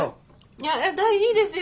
いやいいですよ。